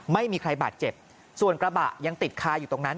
ไม่มีใครบาดเจ็บส่วนกระบะยังติดคาอยู่ตรงนั้น